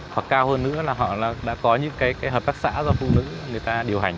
hoặc cao hơn nữa là họ đã có những cái hợp tác xã do phụ nữ người ta điều hành